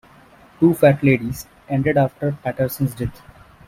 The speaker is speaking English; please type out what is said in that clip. "Two Fat Ladies" ended after Paterson's death.